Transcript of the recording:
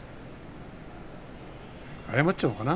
謝っちゃおうかな。